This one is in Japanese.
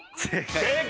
正解。